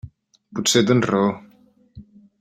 Potser tens raó.